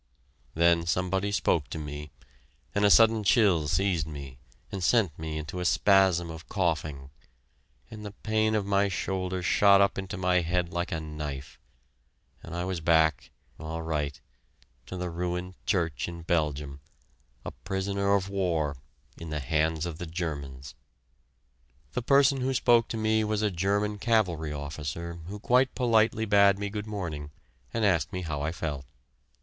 Then somebody spoke to me, and a sudden chill seized me and sent me into a spasm of coughing, and the pain of my shoulder shot up into my head like a knife... and I was back all right to the ruined church in Belgium, a prisoner of war in the hands of the Germans! The person who spoke to me was a German cavalry officer, who quite politely bade me good morning and asked me how I felt.